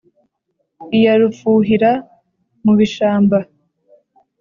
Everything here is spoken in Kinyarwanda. Iya rufuhira mu bishamba.